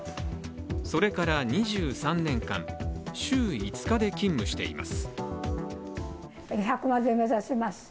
それから２３年間、週５日で勤務しています。